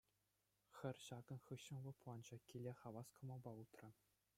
Хӗр ҫакӑн хыҫҫӑн лӑпланчӗ, киле хавас кӑмӑлпа утрӗ.